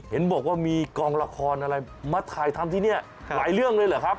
เห็นบอกว่ามีกองละครอะไรมาถ่ายทำที่นี่หลายเรื่องเลยเหรอครับ